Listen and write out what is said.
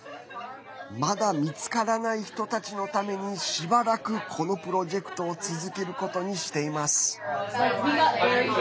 まだ見つからない人たちのためにしばらく、このプロジェクトを続けることにしています。